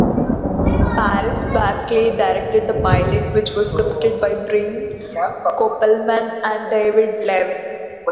Paris Barclay directed the pilot, which was scripted by Brian Koppelman and David Levien.